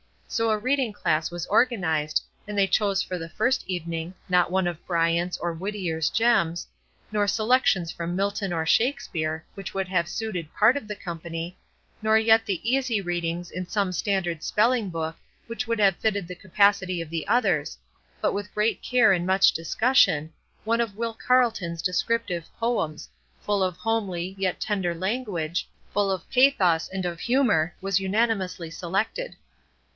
So a reading class was organized, and they chose for the first evening, not one of Bryant's or Whittier's gems, nor selections from Milton or Shakespeare, which would have suited part of the company, nor yet the "Easy Readings" in some standard spelling book, which would have fitted the capacity of the others, but with great care and much discussion, one of Will Carleton's descriptive poems, full of homely, yet tender language, full of pathos and of humor, was unanimously selected.